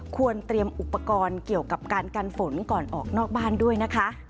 ควรเตรียมอุปกรณ์เกี่ยวกับการกันฝนก่อนออกนอกบ้านด้วยนะคะ